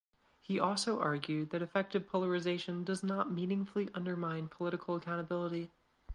He has also argued that affective polarization does not meaningfully undermine political accountability.